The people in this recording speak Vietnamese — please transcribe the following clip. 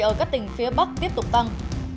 ở các tỉnh phía bắc tiếp tục tăng